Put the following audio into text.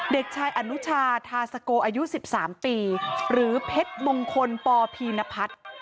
เด็กชายอนุชาทาสโกอายุ๑๓ปีหรือเพชรมงคลปพีนพัฒน์